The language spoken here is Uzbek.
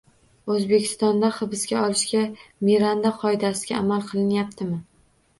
O‘zbekistonda hibsga olishda Miranda qoidasiga amal qilinyaptimi?